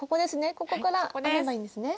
ここから編めばいいんですね。